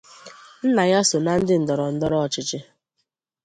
Nna ya so na ndị ndọrọ ndọrọ ọchịchị.